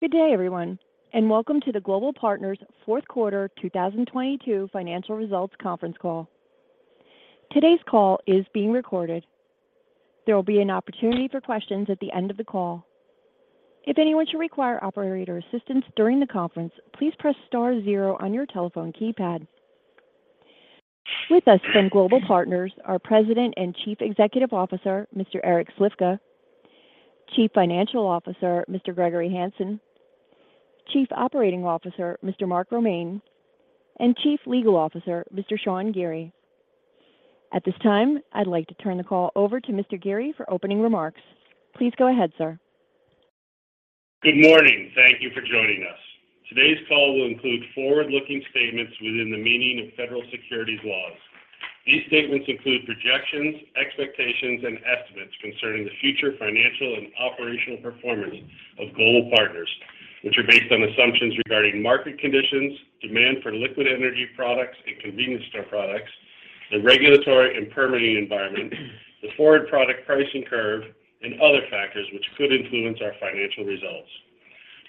Good day, everyone, and welcome to the Global Partners fourth quarter 2022 financial results conference call. Today's call is being recorded. There will be an opportunity for questions at the end of the call. If anyone should require operator assistance during the conference, please press star 0 on your telephone keypad. With us from Global Partners are President and Chief Executive Officer, Mr. Eric Slifka; Chief Financial Officer, Mr. Gregory B. Hanson; Chief Operating Officer, Mr. Mark Romaine; and Chief Legal Officer, Mr. Sean T. Geary. At this time, I'd like to turn the call over to Mr. Geary for opening remarks. Please go ahead, sir. Good morning. Thank you for joining us. Today's call will include forward-looking statements within the meaning of federal securities laws. These statements include projections, expectations, and estimates concerning the future financial and operational performance of Global Partners, which are based on assumptions regarding market conditions, demand for liquid energy products and convenience store products, the regulatory and permitting environment, the forward product pricing curve, and other factors which could influence our financial results.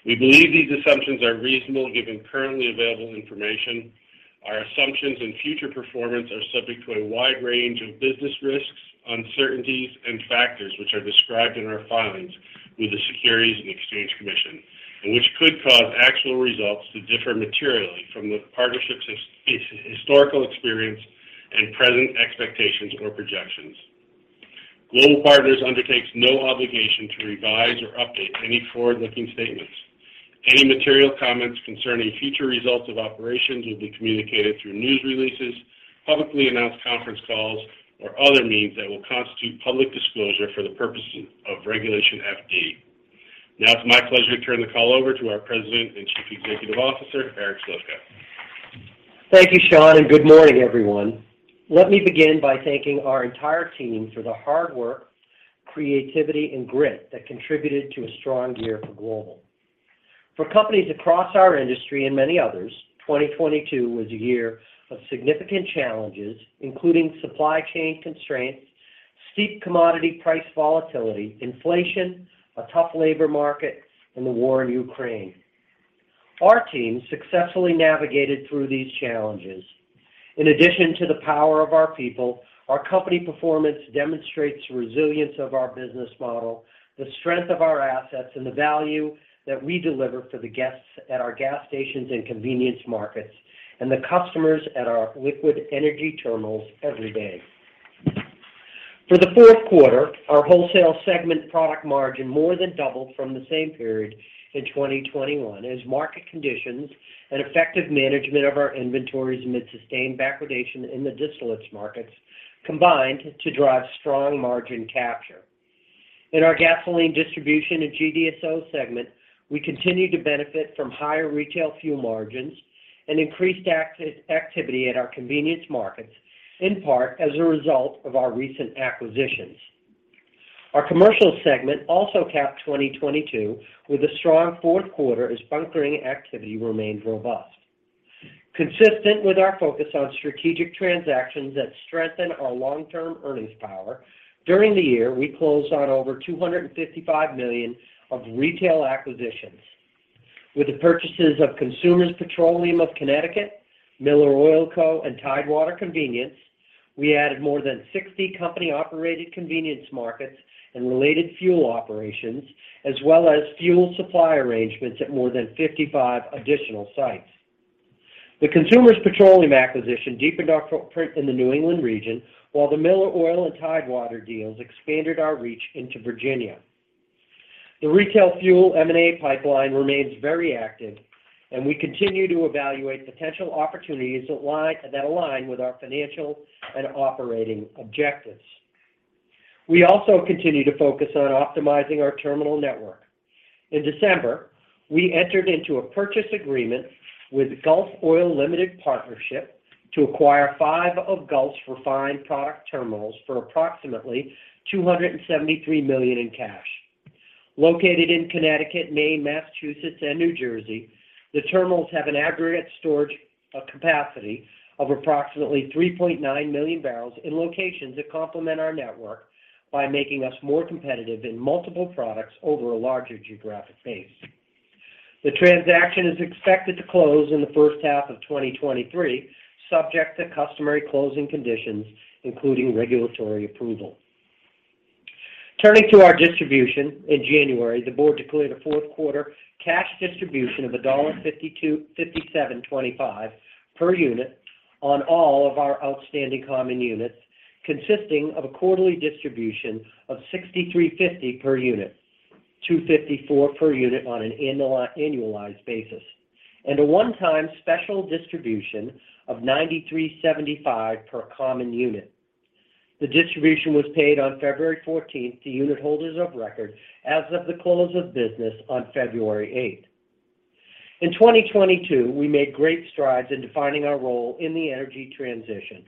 We believe these assumptions are reasonable given currently available information. Our assumptions and future performance are subject to a wide range of business risks, uncertainties, and factors which are described in our filings with the Securities and Exchange Commission and which could cause actual results to differ materially from the partnership's historical experience and present expectations or projections. Global Partners undertakes no obligation to revise or update any forward-looking statements. Any material comments concerning future results of operations will be communicated through news releases, publicly announced conference calls, or other means that will constitute public disclosure for the purposes of Regulation FD. Now it's my pleasure to turn the call over to our President and Chief Executive Officer, Eric Slifka. Thank you, Sean, and good morning, everyone. Let me begin by thanking our entire team for the hard work, creativity, and grit that contributed to a strong year for Global. For companies across our industry and many others, 2022 was a year of significant challenges, including supply chain constraints, steep commodity price volatility, inflation, a tough labor market, and the war in Ukraine. Our team successfully navigated through these challenges. In addition to the power of our people, our company performance demonstrates the resilience of our business model, the strength of our assets, and the value that we deliver for the guests at our gas stations and convenience markets and the customers at our liquid energy terminals every day. For the fourth quarter, our wholesale segment product margin more than doubled from the same period in 2021 as market conditions and effective management of our inventories amid sustained backwardation in the distillates markets combined to drive strong margin capture. In our gasoline distribution and GDSO segment, we continued to benefit from higher retail fuel margins and increased activity at our convenience markets, in part as a result of our recent acquisitions. Our commercial segment also capped 2022 with a strong fourth quarter as bunkering activity remained robust. Consistent with our focus on strategic transactions that strengthen our long-term earnings power, during the year, we closed on over $255 million of retail acquisitions. With the purchases of Consumers Petroleum of Connecticut, Miller Oil Co, and Tidewater Convenience, we added more than 60 company-operated convenience markets and related fuel operations, as well as fuel supply arrangements at more than 55 additional sites. The Consumers Petroleum acquisition deepened our footprint in the New England region, while the Miller Oil and Tidewater deals expanded our reach into Virginia. The retail fuel M&A pipeline remains very active. We continue to evaluate potential opportunities that align with our financial and operating objectives. We also continue to focus on optimizing our terminal network. In December, we entered into a purchase agreement with Gulf Oil Limited Partnership to acquire five of Gulf's refined product terminals for approximately $273 million in cash. Located in Connecticut, Maine, Massachusetts, and New Jersey, the terminals have an aggregate storage capacity of approximately 3.9 million barrels in locations that complement our network by making us more competitive in multiple products over a larger geographic base. The transaction is expected to close in the first half of 2023, subject to customary closing conditions, including regulatory approval. Turning to our distribution, in January, the board declared a fourth quarter cash distribution of a $1.5725 per unit on all of our outstanding common units, consisting of a quarterly distribution of $0.6350 per unit, $2.54 per unit on an annualized basis, and a one-time special distribution of $0.9375 per common unit. The distribution was paid on February 14th to unit holders of record as of the close of business on February 8th. In 2022, we made great strides in defining our role in the energy transition.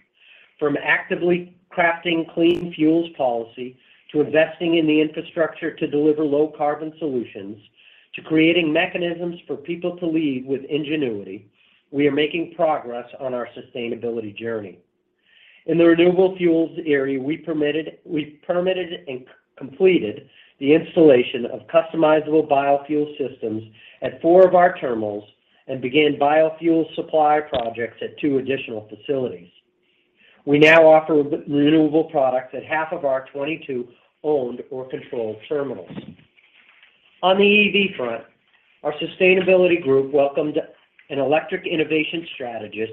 From actively crafting clean fuels policy to investing in the infrastructure to deliver low carbon solutions, to creating mechanisms for people to lead with ingenuity, we are making progress on our sustainability journey. In the renewable fuels area, we permitted and completed the installation of customizable biofuel systems at four of our terminals and began biofuel supply projects at two additional facilities. We now offer renewable products at half of our 22 owned or controlled terminals. On the EV front, our sustainability group welcomed an electric innovation strategist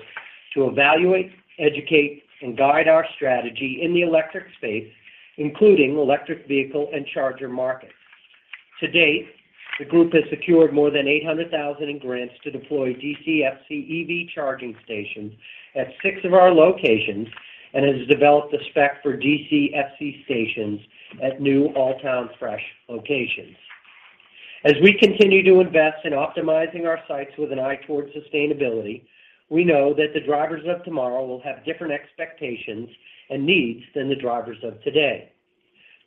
to evaluate, educate, and guide our strategy in the electric space, including electric vehicle and charger markets. To date, the group has secured more than $800,000 in grants to deploy DCFC EV charging stations at six of our locations and has developed a spec for DCFC stations at new Alltown Fresh locations. As we continue to invest in optimizing our sites with an eye towards sustainability, we know that the drivers of tomorrow will have different expectations and needs than the drivers of today.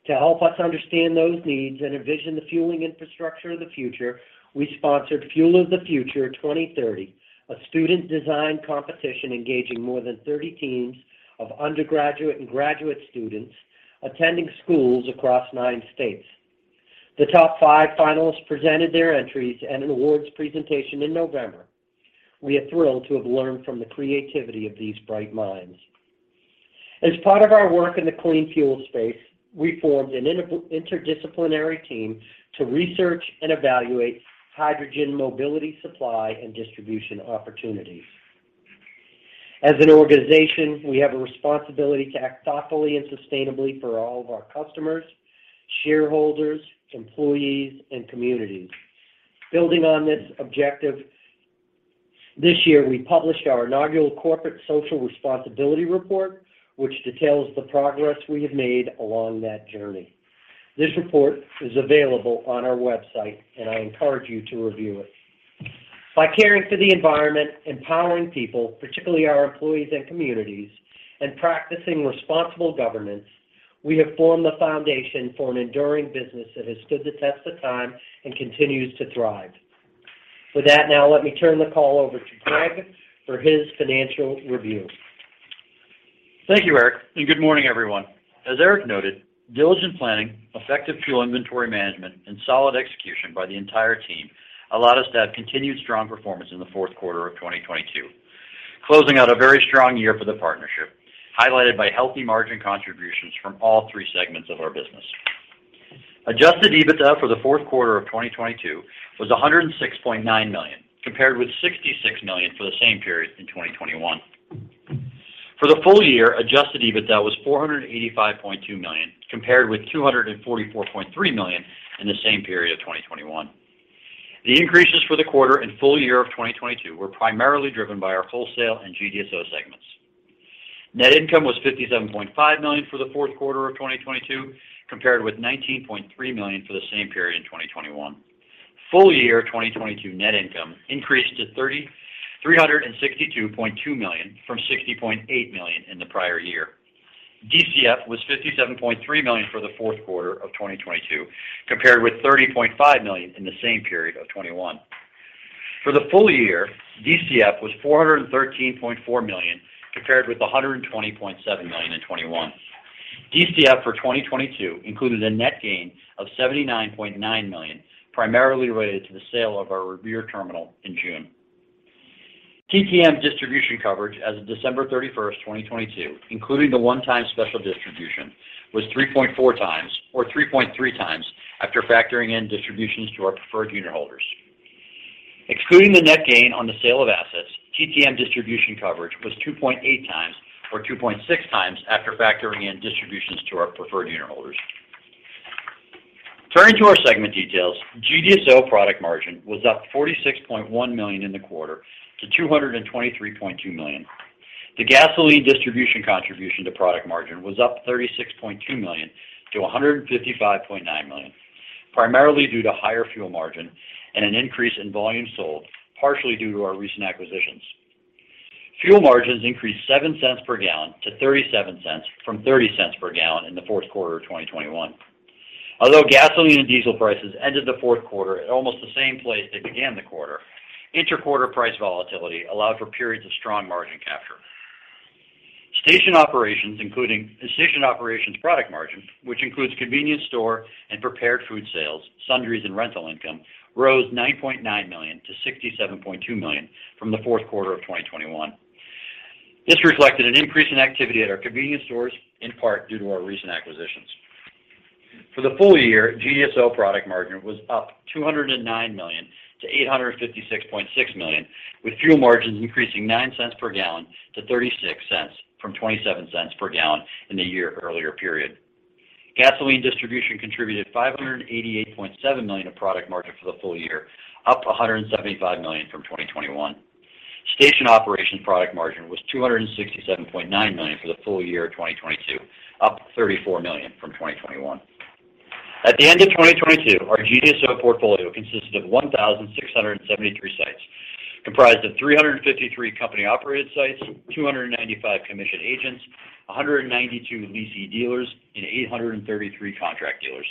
To help us understand those needs and envision the fueling infrastructure of the future, we sponsored Fuel of the Future 2030, a student design competition engaging more than 30 teams of undergraduate and graduate students attending schools across nine states. The top five finalists presented their entries at an awards presentation in November. We are thrilled to have learned from the creativity of these bright minds. As part of our work in the clean fuel space, we formed an interdisciplinary team to research and evaluate hydrogen mobility supply and distribution opportunities. As an organization, we have a responsibility to act thoughtfully and sustainably for all of our customers, shareholders, employees, and communities. Building on this objective, this year, we published our inaugural corporate social responsibility report, which details the progress we have made along that journey. This report is available on our website, and I encourage you to review it. By caring for the environment, empowering people, particularly our employees and communities, and practicing responsible governance, we have formed the foundation for an enduring business that has stood the test of time and continues to thrive. With that, now let me turn the call over to Greg for his financial review. Thank you, Eric. Good morning, everyone. As Eric noted, diligent planning, effective fuel inventory management, and solid execution by the entire team allowed us to have continued strong performance in the fourth quarter of 2022, closing out a very strong year for the partnership, highlighted by healthy margin contributions from all three segments of our business. Adjusted EBITDA for the fourth quarter of 2022 was $106.9 million, compared with $66 million for the same period in 2021. For the full year, Adjusted EBITDA was $485.2 million, compared with $244.3 million in the same period of 2021. The increases for the quarter and full year of 2022 were primarily driven by our wholesale and GDSO segments. Net income was $57.5 million for the fourth quarter of 2022, compared with $19.3 million for the same period in 2021. Full year 2022 net income increased to $3,362.2 million from $60.8 million in the prior year. DCF was $57.3 million for the fourth quarter of 2022, compared with $30.5 million in the same period of 2021. For the full year, DCF was $413.4 million, compared with $120.7 million in 2021. DCF for 2022 included a net gain of $79.9 million, primarily related to the sale of our Revere terminal in June. TTM distribution coverage as of December 31st, 2022, including the one-time special distribution, was 3.4 times or 3.3 times after factoring in distributions to our preferred uniholders. Excluding the net gain on the sale of assets, TTM distribution coverage was 2.8 times or 2.6 times after factoring in distributions to our preferred unitholders. Turning to our segment details, GDSO product margin was up $46.1 million in the quarter to $223.2 million. The gasoline distribution contribution to product margin was up $36.2 million to $155.9 million, primarily due to higher fuel margin and an increase in volume sold, partially due to our recent acquisitions. Fuel margins increased $0.07 per gallon to $0.37 from $0.30 per gallon in the fourth quarter of 2021. Although gasoline and diesel prices ended the fourth quarter at almost the same place they began the quarter, inter-quarter price volatility allowed for periods of strong margin capture. Station operations, including station operations product margin, which includes convenience store and prepared food sales, sundries and rental income rose $9.9 million to $67.2 million from the fourth quarter of 2021. This reflected an increase in activity at our convenience stores, in part due to our recent acquisitions. For the full year, GDSO product margin was up $209 million to $856.6 million, with fuel margins increasing $0.09 per gallon to $0.36 from $0.27 per gallon in the year earlier period. Gasoline distribution contributed $588.7 million of product margin for the full year, up $175 million from 2021. Station operation product margin was $267.9 million for the full year of 2022, up $34 million from 2021. At the end of 2022, our GDSO portfolio consisted of 1,673 sites, comprised of 353 company-operated sites, 295 commissioned agents, 192 lease dealers, and 833 contract dealers.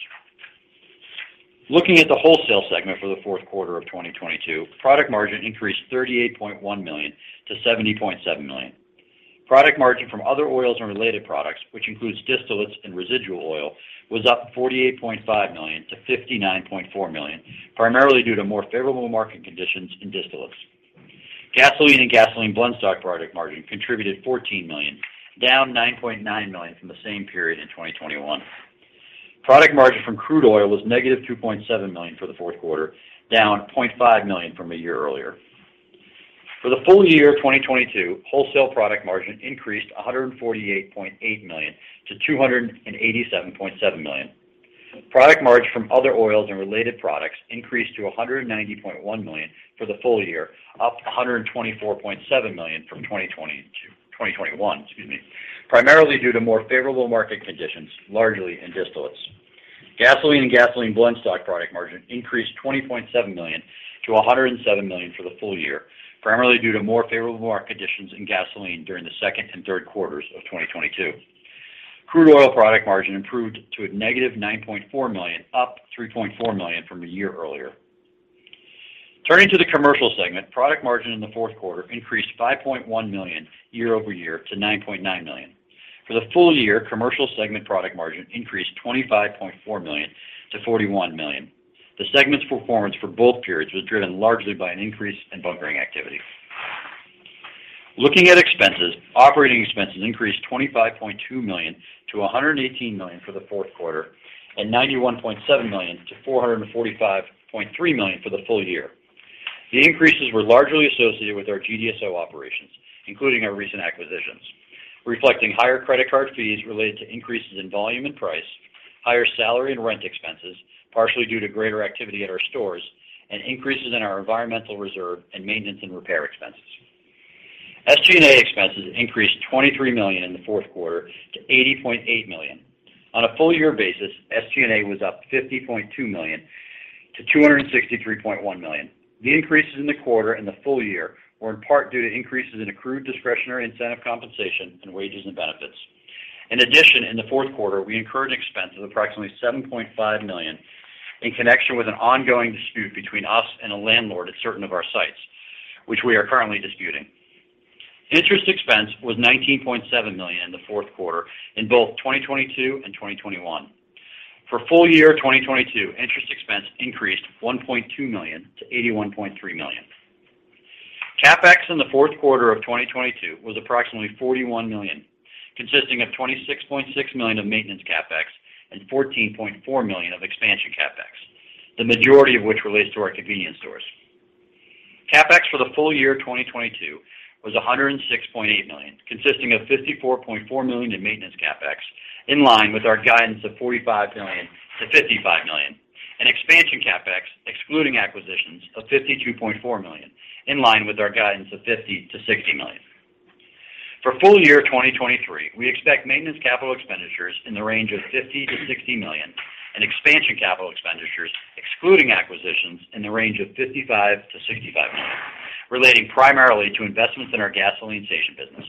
Looking at the wholesale segment for the fourth quarter of 2022, product margin increased $38.1 million to $70.7 million. Product margin from other oils and related products, which includes distillates and residual oil, was up $48.5 million to $59.4 million, primarily due to more favorable market conditions in distillates. Gasoline and gasoline blend stock product margin contributed $14 million, down $9.9 million from the same period in 2021. Product margin from crude oil was -$2.7 million for the fourth quarter, down $0.5 million from a year earlier. For the full year of 2022, wholesale product margin increased $148.8 million to $287.7 million. Product margin from other oils and related products increased to $190.1 million for the full year, up $124.7 million from 2021, excuse me, primarily due to more favorable market conditions, largely in distillates. Gasoline and gasoline blend stock product margin increased $20.7 million to $107 million for the full year, primarily due to more favorable market conditions in gasoline during the second and third quarters of 2022. Crude oil product margin improved to a negative $9.4 million, up $3.4 million from a year earlier. Turning to the commercial segment, product margin in the fourth quarter increased $5.1 million year-over-year to $9.9 million. For the full year, commercial segment product margin increased $25.4 million to $41 million. The segment's performance for both periods was driven largely by an increase in bunkering activity. Looking at expenses, operating expenses increased $25.2 million to $118 million for the fourth quarter and $91.7 million to $445.3 million for the full year. The increases were largely associated with our GDSO operations, including our recent acquisitions, reflecting higher credit card fees related to increases in volume and price, higher salary and rent expenses, partially due to greater activity at our stores, and increases in our environmental reserve and maintenance and repair expenses. SG&A expenses increased $23 million in the fourth quarter to $80.8 million. On a full year basis, SG&A was up $50.2 million to $263.1 million. The increases in the quarter and the full year were in part due to increases in accrued discretionary incentive compensation and wages and benefits. In the fourth quarter, we incurred an expense of approximately $7.5 million in connection with an ongoing dispute between us and a landlord at certain of our sites, which we are currently disputing. Interest expense was $19.7 million in the fourth quarter in both 2022 and 2021. For full year 2022, interest expense increased $1.2 million to $81.3 million. CapEx in the fourth quarter of 2022 was approximately $41 million, consisting of $26.6 million of maintenance CapEx and $14.4 million of expansion CapEx, the majority of which relates to our convenience stores. CapEx for the full year of 2022 was $106.8 million, consisting of $54.4 million in maintenance CapEx, in line with our guidance of $45 million-$55 million, and expansion CapEx, excluding acquisitions, of $52.4 million, in line with our guidance of $50 million-$60 million. For full year 2023, we expect maintenance CapEx in the range of $50 million-$60 million and expansion CapEx, excluding acquisitions, in the range of $55 million-$65 million, relating primarily to investments in our gasoline station business.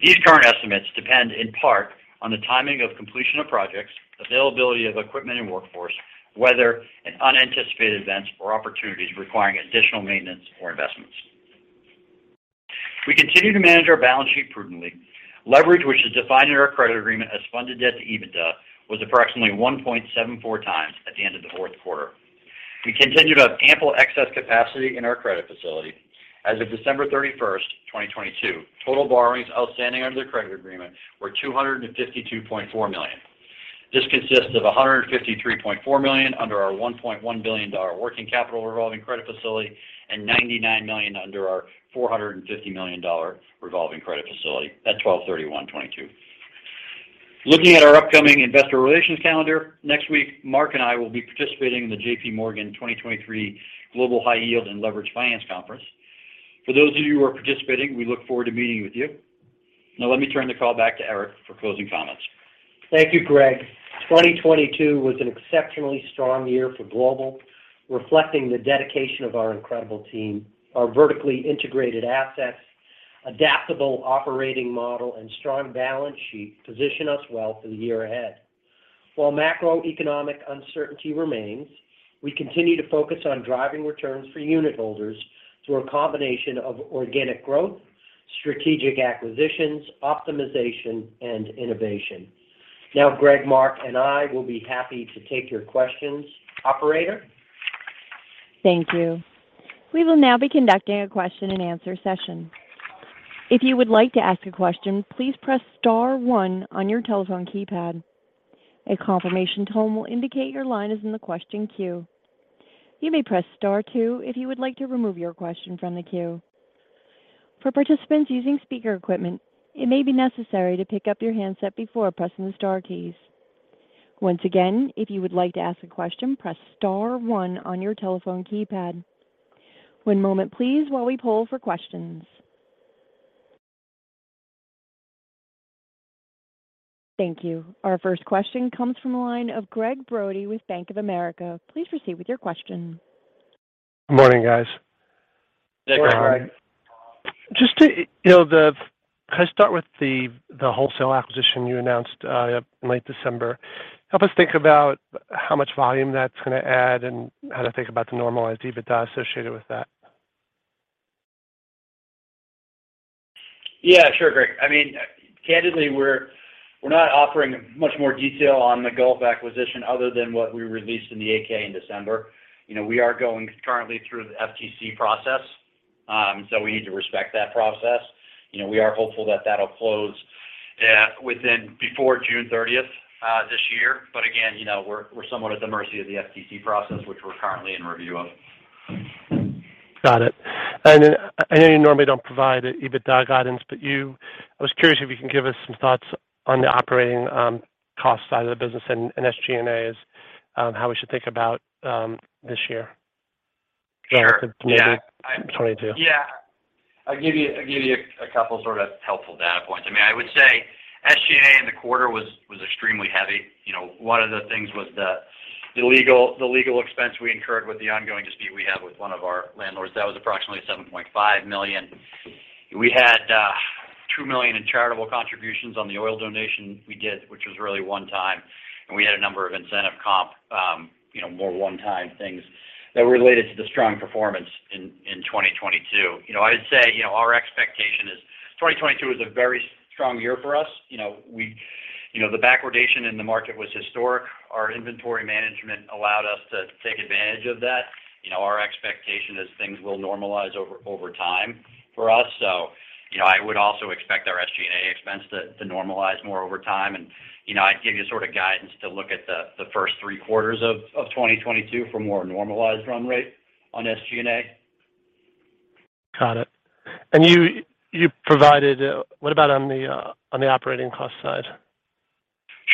These current estimates depend in part on the timing of completion of projects, availability of equipment and workforce, weather, and unanticipated events or opportunities requiring additional maintenance or investments. We continue to manage our balance sheet prudently. Leverage, which is defined in our credit agreement as funded debt to EBITDA, was approximately 1.74 times at the end of the fourth quarter. We continue to have ample excess capacity in our credit facility. As of December 31, 2022, total borrowings outstanding under the credit agreement were $252.4 million. This consists of $153.4 million under our $1.1 billion working capital revolving credit facility and $99 million under our $450 million revolving credit facility at 12/31/2022. Looking at our upcoming investor relations calendar, next week, Mark and I will be participating in the J.P. Morgan 2023 Global High Yield and Leveraged Finance Conference. For those of you who are participating, we look forward to meeting with you. Now let me turn the call back to Eric for closing comments. Thank you, Greg. 2022 was an exceptionally strong year for Global, reflecting the dedication of our incredible team, our vertically integrated assets, adaptable operating model, and strong balance sheet position us well for the year ahead. While macroeconomic uncertainty remains, we continue to focus on driving returns for unit holders through a combination of organic growth, strategic acquisitions, optimization, and innovation. Greg, Mark, and I will be happy to take your questions. Operator? Thank you. We will now be conducting a question-and-answer session. If you would like to ask a question, please press star one on your telephone keypad. A confirmation tone will indicate your line is in the question queue. You may press star two if you would like to remove your question from the queue. For participants using speaker equipment, it may be necessary to pick up your handset before pressing the star keys. Once again, if you would like to ask a question, press star one on your telephone keypad. One moment please while we poll for questions. Thank you. Our first question comes from the line of Gregg Brody with Bank of America. Please proceed with your question. Good morning, guys. Just to, you know, can I start with the wholesale acquisition you announced late December? Help us think about how much volume that's gonna add and how to think about the normalized EBITDA associated with that. Yeah, sure, Greg. I mean, candidly, we're not offering much more detail on the Gulf acquisition other than what we released in the 8-K in December. You know, we are going currently through the FTC process. We need to respect that process. You know, we are hopeful that that'll close before June thirtieth this year. Again, you know, we're somewhat at the mercy of the FTC process, which we're currently in review of. Got it. I know you normally don't provide EBITDA guidance, but I was curious if you can give us some thoughts on the operating cost side of the business and SG&A as how we should think about this year. Sure. Yeah. Maybe 2022. Yeah. I'll give you a couple sort of helpful data points. I mean, I would say SG&A in the quarter was extremely heavy. You know, one of the things was the legal expense we incurred with the ongoing dispute we have with one of our landlords. That was approximately $7.5 million. We had $2 million in charitable contributions on the oil donation we did, which was really one time, and we had a number of incentive comp, you know, more one-time things that related to the strong performance in 2022. You know, I'd say, you know, our expectation is 2022 is a very strong year for us. You know, the backwardation in the market was historic. Our inventory management allowed us to take advantage of that. You know, our expectation is things will normalize over time for us. You know, I would also expect our SG&A expense to normalize more over time. You know, I'd give you sort of guidance to look at the first three quarters of 2022 for more normalized run rate on SG&A. Got it. What about on the operating cost side?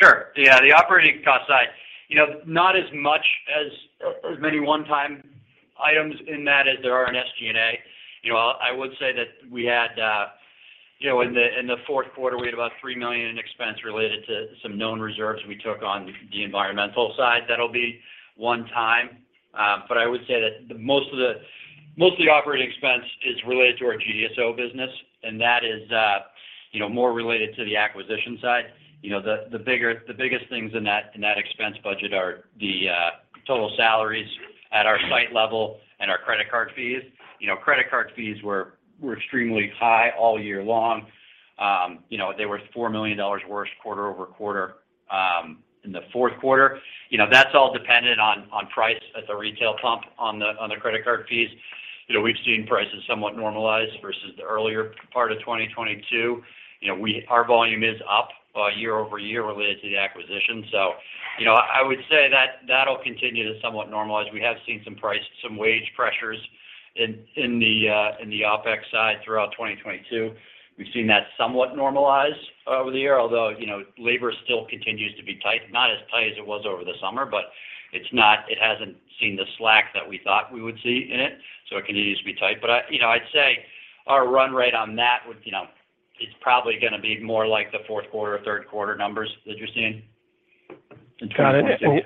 Sure. Yeah, the operating cost side. You know, not as much as many one-time items in that as there are in SG&A. You know, I would say that we had, you know, in the fourth quarter, we had about $3 million in expense related to some known reserves we took on the environmental side. That'll be one time. I would say that most of the operating expense is related to our GDSO business, and that is, you know, more related to the acquisition side. You know, the biggest things in that, in that expense budget are the total salaries at our site level and our credit card fees. You know, credit card fees were extremely high all year long. You know, they were $4 million worse quarter-over-quarter in the fourth quarter. You know, that's all dependent on price at the retail pump on the credit card fees. You know, we've seen prices somewhat normalized versus the earlier part of 2022. You know, our volume is up year-over-year related to the acquisition. You know, I would say that that'll continue to somewhat normalize. We have seen some price, some wage pressures in the OpEx side throughout 2022. We've seen that somewhat normalize over the year, although, you know, labor still continues to be tight. Not as tight as it was over the summer, but it hasn't seen the slack that we thought we would see in it, so it continues to be tight. I, you know, I'd say our run rate on that would, you know, is probably gonna be more like the fourth quarter or third quarter numbers that you're seeing in 2022.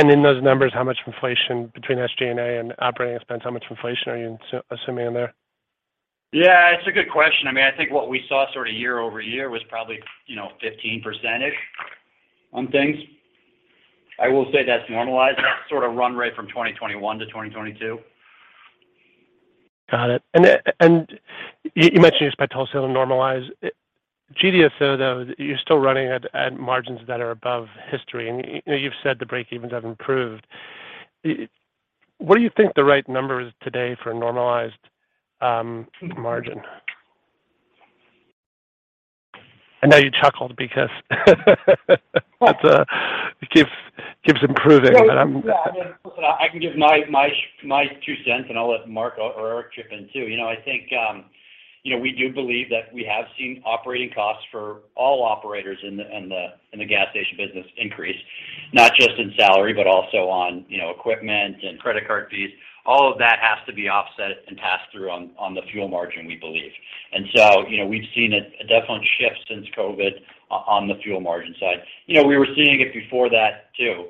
Got it. In those numbers, how much inflation between SG&A and operating expense, how much inflation are you assuming in there? Yeah, it's a good question. I mean, I think what we saw sort of year-over-year was probably, you know, 15%-ish on things. I will say that's normalizing sort of run rate from 2021 to 2022. Got it. You mentioned you expect wholesale to normalize. GDSO though, you're still running at margins that are above history, and you've said the break-evens have improved. What do you think the right number is today for a normalized margin? I know you chuckled because it keeps improving, but I'm. Yeah. I mean, I can give my two cents, and I'll let Mark or Eric chip in too. You know, I think, you know, we do believe that we have seen operating costs for all operators in the gas station business increase, not just in salary, but also on, you know, equipment and credit card fees. All of that has to be offset and passed through on the fuel margin, we believe. You know, we've seen a definite shift since COVID on the fuel margin side. You know, we were seeing it before that too.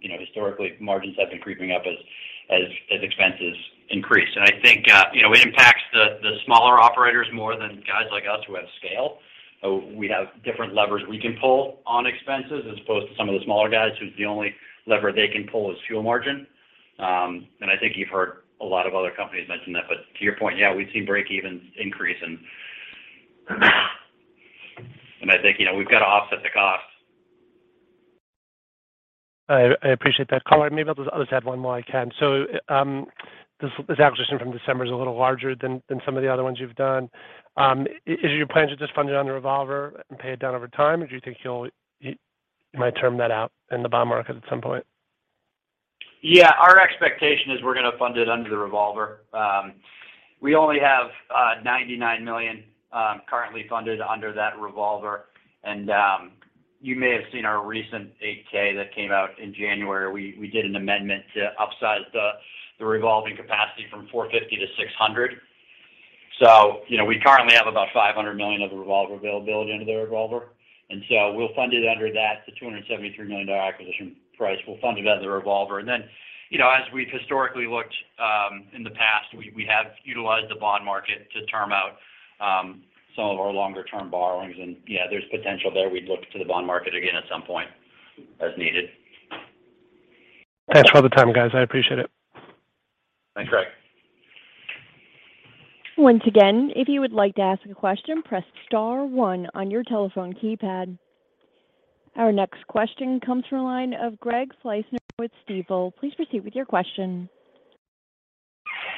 You know, historically, margins have been creeping up as expenses increase. I think, you know, it impacts the smaller operators more than guys like us who have scale. We have different levers we can pull on expenses as opposed to some of the smaller guys whose the only lever they can pull is fuel margin. I think you've heard a lot of other companies mention that. To your point, yeah, we've seen break-evens increase and I think, you know, we've got to offset the costs. I appreciate that color. Maybe I'll just add one more while I can. This acquisition from December is a little larger than some of the other ones you've done. Is your plan to just fund it on the revolver and pay it down over time, or do you think you might term that out in the bond market at some point? Our expectation is we're gonna fund it under the revolver. We only have $99 million currently funded under that revolver. You may have seen our recent 8-K that came out in January. We did an amendment to upsize the revolving capacity from $450 million to $600 million. You know, we currently have about $500 million of the revolver availability under the revolver. We'll fund it under that, the $273 million acquisition price. We'll fund it as a revolver. You know, as we've historically looked in the past, we have utilized the bond market to term out some of our longer term borrowings. Yeah, there's potential there. We'd look to the bond market again at some point as needed. Thanks for all the time, guys. I appreciate it. Thanks, Greg. Once again, if you would like to ask a question, press star one on your telephone keypad. Our next question comes from the line of Selman Akyol with Stifel. Please proceed with your question.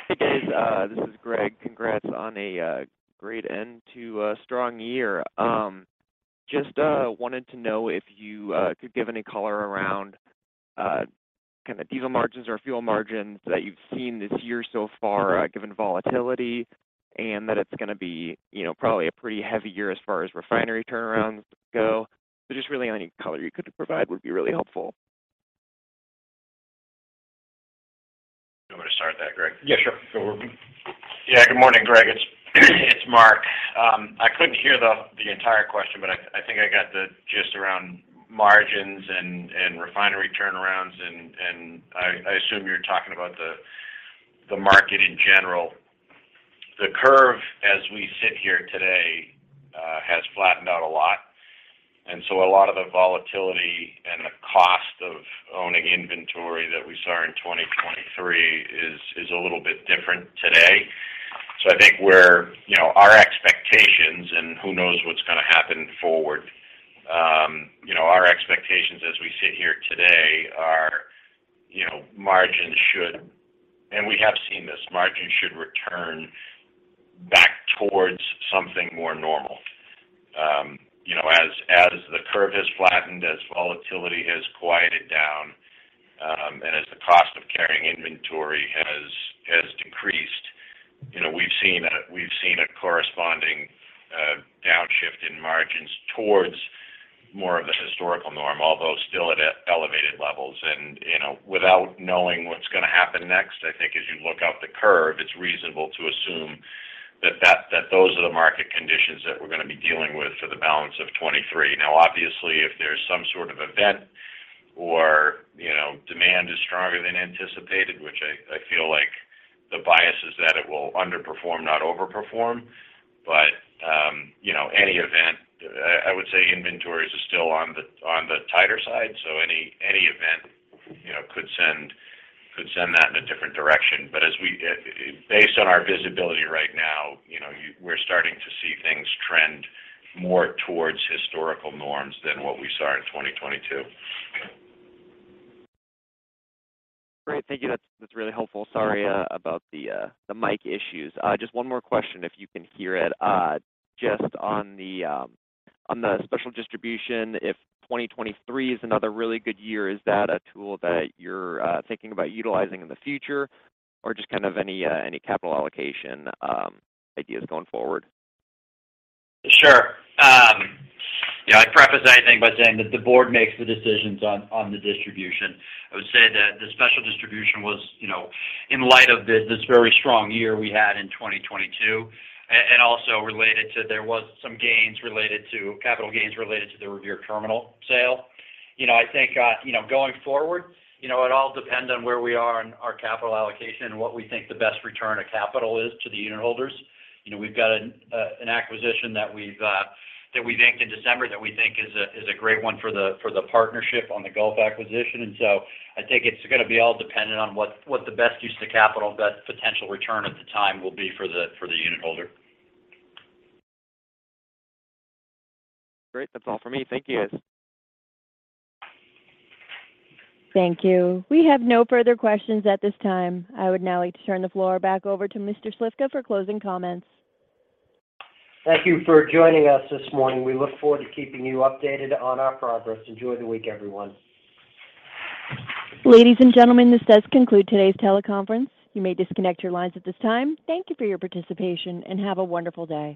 Hey, guys, this is Greg. Congrats on a great end to a strong year. Just wanted to know if you could give any color around kinda diesel margins or fuel margins that you've seen this year so far, given volatility and that it's gonna be, you know, probably a pretty heavy year as far as refinery turnarounds go. Just really any color you could provide would be really helpful. You want me to start that, Greg? Yeah, sure. Go, Romaine. Yeah. Good morning, Greg. It's Mark. I couldn't hear the entire question, but I think I got the gist around margins and refinery turnarounds, and I assume you're talking about the market in general. The curve, as we sit here today, has flattened out a lot. A lot of the volatility and the cost of owning inventory that we saw in 2023 is a little bit different today. You know, our expectations and who knows what's gonna happen forward, you know, our expectations as we sit here today are, you know, and we have seen this, margins should return back towards something more normal. you know, as the curve has flattened, as volatility has quieted down, and as the cost of carrying inventory has decreased, you know, we've seen a corresponding downshift in margins towards more of a historical norm, although still at elevated levels. you know, without knowing what's gonna happen next, I think as you look out the curve, it's reasonable to assume that those are the market conditions that we're gonna be dealing with for the balance of 23. Now, obviously, if there's some sort of event or, you know, demand is stronger than anticipated, which I feel like the bias is that it will underperform, not overperform. You know, any event, I would say inventories are still on the tighter side, so any event, you know, could send that in a different direction. As we, based on our visibility right now, you know, we're starting to see things trend more towards historical norms than what we saw in 2022. Great. Thank you. That's really helpful. No problem. about the mic issues. Just one more question, if you can hear it. Just on the special distribution, if 2023 is another really good year, is that a tool that you're thinking about utilizing in the future, or just kind of any capital allocation ideas going forward? Sure. I preface anything by saying that the board makes the decisions on the distribution. I would say that the special distribution was in light of this very strong year we had in 2022 and also related to there was some capital gains related to the Revere Terminal sale. I think going forward, it all depends on where we are in our capital allocation and what we think the best return of capital is to the unitholders. We've got an acquisition that we banked in December that we think is a great one for the partnership on the Gulf acquisition. I think it's gonna be all dependent on what the best use of capital and best potential return at the time will be for the unitholder. Great. That's all for me. Thank you, guys. Thank you. We have no further questions at this time. I would now like to turn the floor back over to Mr. Slifka for closing comments. Thank you for joining us this morning. We look forward to keeping you updated on our progress. Enjoy the week, everyone. Ladies and gentlemen, this does conclude today's teleconference. You may disconnect your lines at this time. Thank you for your participation, and have a wonderful day.